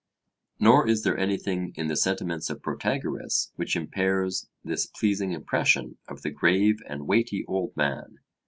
Nor is there anything in the sentiments of Protagoras which impairs this pleasing impression of the grave and weighty old man.